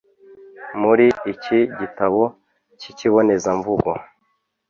Muri iki gitabo k’ikibonezamvugo